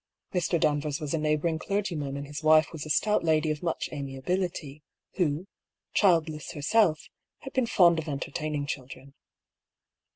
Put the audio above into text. (Mr. Danvers was a neighbouring clergyman, and his wife was a stout lady of much Ami ability, who, childless herself, had been fond of entertain ing children.)